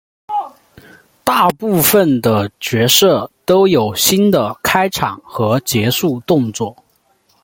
大部分的角色都有新的开场和结束动作。